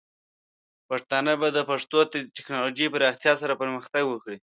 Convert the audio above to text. پښتانه به د پښتو د ټیکنالوجۍ پراختیا سره پرمختګ وکړي.